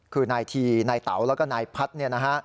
คือนายทีนายเต๋าแล้วก็นายพัฒน์